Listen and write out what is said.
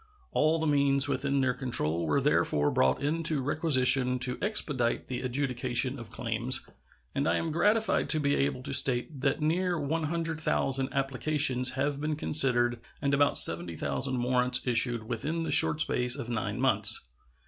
All the means within their control were therefore brought into requisition to expedite the adjudication of claims, and I am gratified to be able to state that near 100,000 applications have been considered and about 70,000 warrants issued within the short space of nine months.